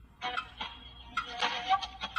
په روغتونونو کي باید د مریضانو پالنه وسي.